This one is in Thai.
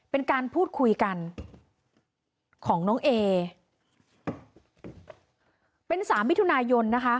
เป็นการพูดคุยกันของน้องเอเป็นสามมิถุนายนนะคะ